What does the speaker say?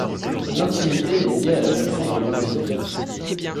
L'intimité est lié à la notion de l'intime.